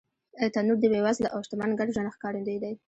تنور د بېوزله او شتمن ګډ ژوند ښکارندوی دی